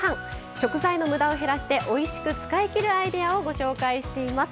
食材のムダを減らしておいしく使いきるアイデアをご紹介しています。